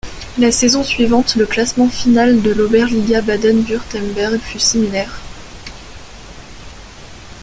La saison suivante, le classement final de l'Oberliga Baden-Württemberg fut similaire.